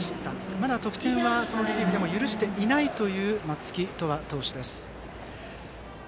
まだ得点はリリーフでも許していないという松木翔和投手です。